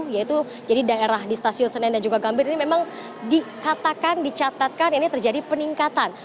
yaitu jadi daerah di stasiun senen dan juga gambir ini memang dikatakan dicatatkan ini terjadi peningkatan